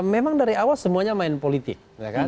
memang dari awal semuanya main politik